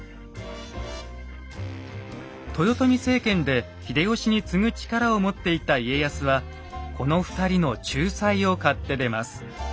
豊臣政権で秀吉に次ぐ力を持っていた家康はこの２人の仲裁を買って出ます。